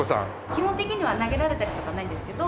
基本的には投げられたりとかはないんですけど。